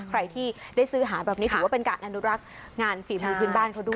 ใครที่ได้ซื้อหาแบบนี้ถือว่าเป็นการอนุรักษ์งานฝีมือพื้นบ้านเขาด้วย